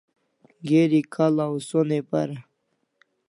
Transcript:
Geri k'la' o sonai para